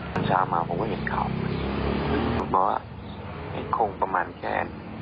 ตอนเช้ามาผมก็เห็นข่าวเหมือนว่าไอ้โค้งประมาณแค้น